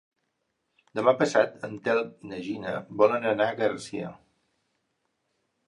Demà passat en Telm i na Gina volen anar a Garcia.